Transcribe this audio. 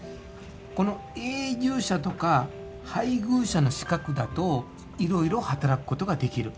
この「永住者」とか「配偶者」の資格だといろいろ働くことができる。